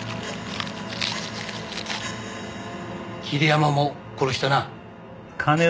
桐山も殺したな？